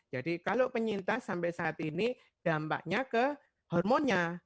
jadi kalau penyintas sampai saat ini dampaknya ke hormonnya